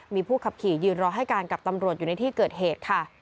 มีผู้ขับขี่ยืนรอให้การกับตำรวจอยู่ในที่เกิดเหตุค่ะ